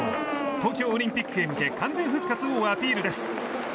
東京オリンピックへ向け完全復活をアピールです。